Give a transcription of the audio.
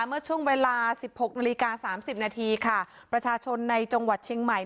เมื่อช่วงเวลาสิบหกนาฬิกาสามสิบนาทีค่ะประชาชนในจังหวัดเชียงใหม่